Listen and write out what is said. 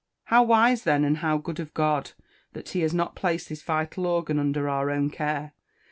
How wise, then, and how good of God, that he has not placed this vital organ under our own care!